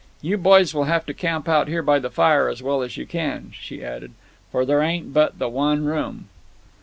"You boys will have to camp out here by the fire as well as you can," she added, "for thar ain't but the one room."